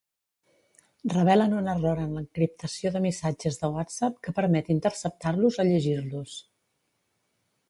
Revelen un error en l'encriptació de missatges de Whatsapp que permet interceptar-los o llegir-los.